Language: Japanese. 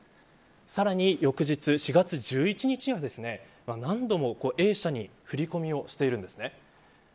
さらに翌日、４月１１日には何度もＡ社に振り込みをしているんです。